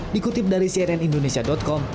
dikutip dari cnn indonesia com